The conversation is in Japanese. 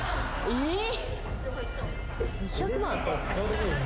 えっ！？